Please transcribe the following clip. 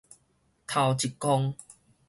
頭一鞏